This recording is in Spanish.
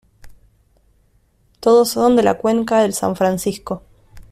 Todos son de la cuenca del San Francisco.